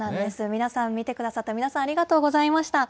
皆さん、見てくださった皆さん、ありがとうございました。